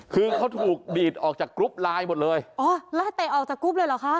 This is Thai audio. คือเขาถูกดีดออกจากกรุ๊ปไลน์หมดเลยอ๋อไล่เตะออกจากกรุ๊ปเลยเหรอคะ